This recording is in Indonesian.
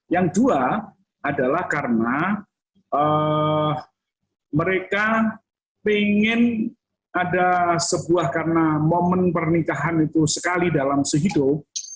yang dua adalah karena mereka ingin ada sebuah karena momen pernikahan itu sekali dalam sehidup